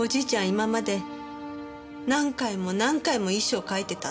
今まで何回も何回も遺書を書いてたの。